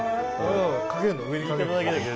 かけるの上にかけるの。